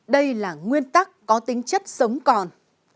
đây là nguyên tắc có tính chất sống còn